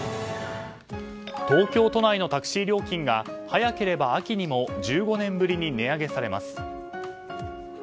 東京都内のタクシー料金が早ければ秋にも１５年ぶりに値上げされます。